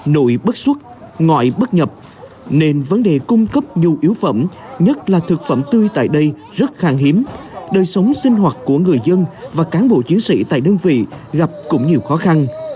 nỗi bất xúc ngại bất nhập nên vấn đề cung cấp nhu yếu phẩm nhất là thực phẩm tươi tại đây rất khang hiếm đời sống sinh hoạt của người dân và cán bộ chiến sĩ tại đơn vị gặp cũng nhiều khó khăn